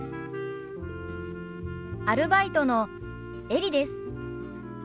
アルバイトのエリです。